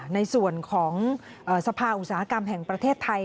ในส่วนของสภาอุตสาหกรรมแห่งประเทศไทย